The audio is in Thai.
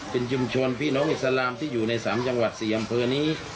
เป็นชุมชนพี่น้องอิสลามที่อยู่ใน๓จังหวัด๔อำเภอนี้